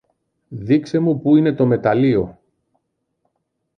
Δείξε μου που είναι το μεταλλείο